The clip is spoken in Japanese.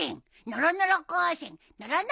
ノロノロ光線！